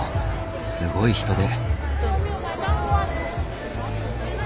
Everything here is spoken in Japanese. すごい人出！